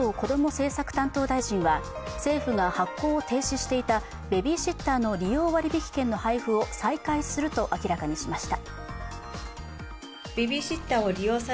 政策担当大臣は政府が発行を停止していたベビーシッターの利用割引券の配布を再開すると明らかにしました。